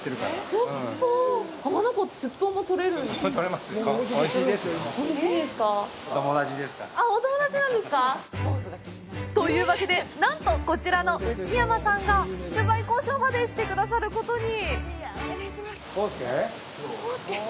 すっぽんもとれますよ。というわけで、なんと、こちらの内山さんが取材交渉までしてくださることに。